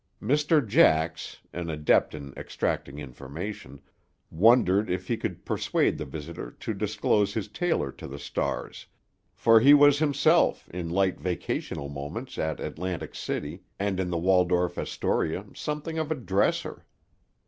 Mr. Jax, an adept in extracting information, wondered if he could persuade the visitor to disclose his tailor to the stars; for he was, himself, in light vacational moments at Atlantic City and in the Waldorf Astoria something of a "dresser".